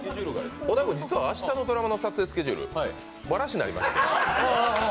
小田君、実は明日のドラマのスケジュール、ばらしになりまして。